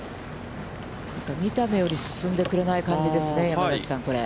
見た目より進んでくれない感じですね、山崎さん、これ。